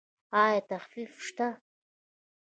ایا تخفیف شته؟